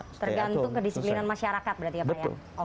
tergantung kedisiplinan masyarakat berarti ya pak ya